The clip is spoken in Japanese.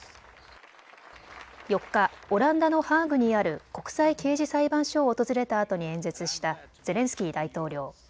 ４日、オランダのハーグにある国際刑事裁判所を訪れたあとに演説したゼレンスキー大統領。